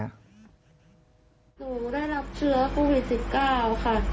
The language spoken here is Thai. หนูได้รับเชื้อโควิด๑๙ค่ะ